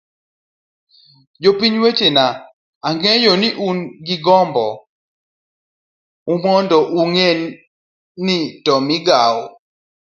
jopiny wetena, ang'eyo ni en gombo u mondo ung'e ni to migawo